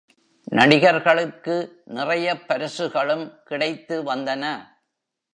நடிகர்களுக்கு நிறையப் பரிசுகளும் கிடைத்து வந்தன.